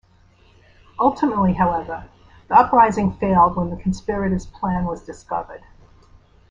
Ultimately, however, the uprising failed when the conspirators' plan was discovered.